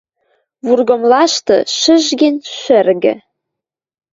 Вургымлашты, шӹжген, шӹргӹ